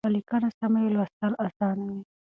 که ليکنه سمه وي لوستل اسانه وي.